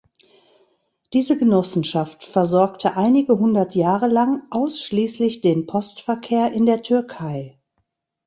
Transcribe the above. Diese Genossenschaft versorgte einige hundert Jahre lang ausschließlich den Postverkehr in der Türkei.